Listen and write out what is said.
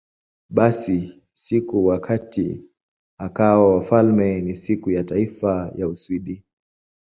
Basi, siku wakati akawa wafalme ni Siku ya Taifa ya Uswidi.